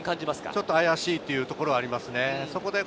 ちょっとあやしいということはありますね。